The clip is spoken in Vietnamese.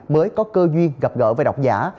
mới có cơ duyên gặp gỡ với đọc giả